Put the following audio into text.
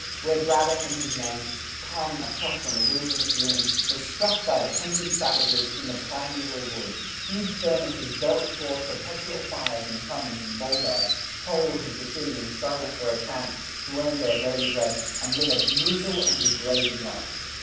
Where Braddock and his men, "carving a cross on the wilderness rim," were struck by the painted savages in the primeval woods, huge furnaces belch forth perpetual fires and Huns and Bulgars, Poles and Sicilians struggle for a chance to earn their daily bread, and live a brutal and degraded life.